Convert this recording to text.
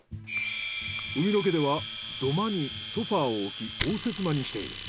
海野家では土間にソファを置き応接間にしている。